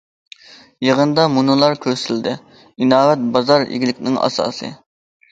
يىغىندا مۇنۇلار كۆرسىتىلدى: ئىناۋەت— بازار ئىگىلىكىنىڭ ئاساسى.